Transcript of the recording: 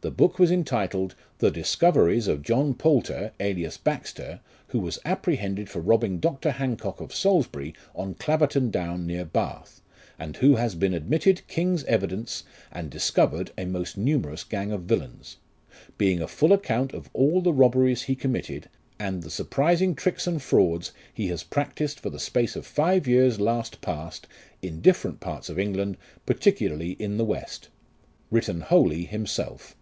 The book was entitled, " The Discoveries of John Poulter, alias Baxter, who was apprehended for robbing Dr. Hancock of Salisbury, on Claverton Down, near Bath ; and who has been admitted king's evidence, and discovered a most numerous gang of villains. Being a full account of all the robberies he committed, and the surprising tricks and frauds he has practised for the space of five years last past, in different parts of England, particularly in the west. Written wholly Himself."